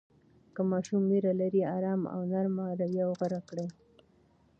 که ماشوم ویره لري، آرام او نرمه رویه غوره کړئ.